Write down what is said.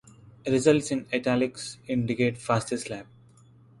Results in "italics" indicate fastest lap.